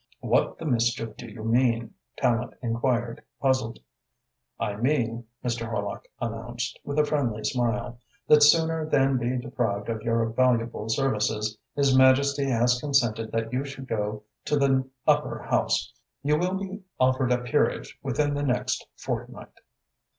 "What the mischief do you mean?" Tallente enquired, puzzled. "I mean," Mr. Horlock announced, with a friendly smile, "that sooner than be deprived of your valuable services, His Majesty has consented that you should go to the Upper House. You will be offered a peerage within the next fortnight."